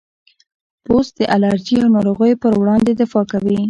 پوست د الرجي او ناروغیو پر وړاندې دفاع کوي.